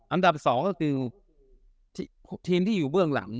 อันดับ๒ก็คือทีมที่อยู่เบื้องหลัง